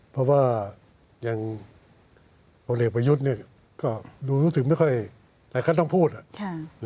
เพราะว่าพวกเดี๋ยวประยุทธก็ดูรู้สึกไม่ค่อยแต่เขาต้องพูดแหละ